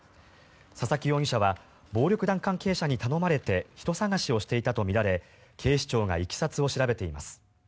佐々木容疑者は暴力団関係者に頼まれて人捜しをしていたとみられ警視庁がいきさつを調べています。